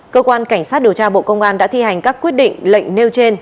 cơ quan cảnh sát điều tra bộ công an đã thi hành các quyết định lệnh nêu trên